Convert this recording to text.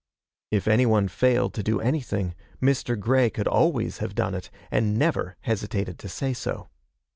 If any one failed to do anything, Mr. Grey could always have done it, and never hesitated to say so.